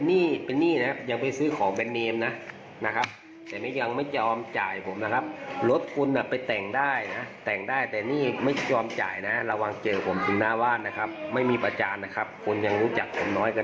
นี่เฟสกูนะครับนี่เฟสของกูนะครับผมนะ